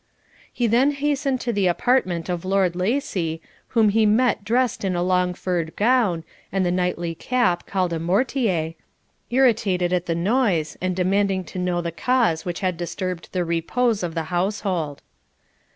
He then hastened to the apartment of Lord Lacy, whom he met dressed in a long furred gown and the knightly cap called a MORTIER, irritated at the noise, and demanding to know the cause which had disturbed the repose of the household.